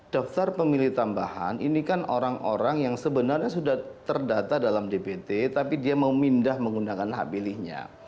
daftar pemilih tambahan ini kan orang orang yang sebenarnya sudah terdata dalam dpt tapi dia mau pindah menggunakan hak pilihnya